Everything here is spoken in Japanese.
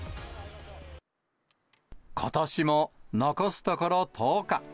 ことしも残すところ１０日。